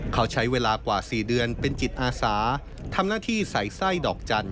เขาใช้เวลากว่า๔เดือนเป็นจิตอาสาทำหน้าที่ใส่ไส้ดอกจันท